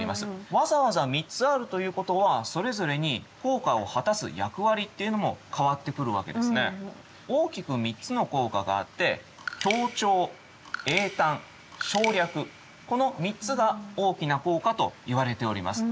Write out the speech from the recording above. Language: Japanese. わざわざ３つあるということは大きく３つの効果があってこの３つが大きな効果といわれております。